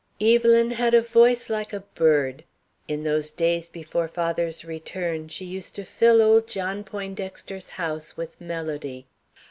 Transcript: "Evelyn had a voice like a bird. In those days before father's return, she used to fill old John Poindexter's house with melody.